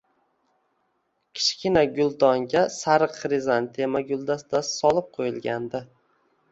Kichkina guldonga sariq xrizantema guldastasi solib qo`yilgandi